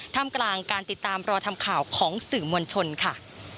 ทำกลางการติดตามรอทำข่าวของสื่อมวลชนค่ะ